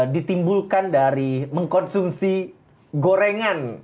ditimbulkan dari mengkonsumsi gorengan